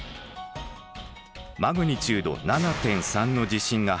マグニチュード７．３の地震が発生。